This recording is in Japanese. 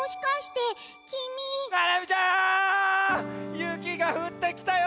ゆきがふってきたよ！